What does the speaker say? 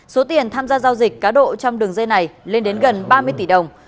số tiền tham gia giao dịch cá độ trong đường dây này lên đến gần ba mươi tỷ đồng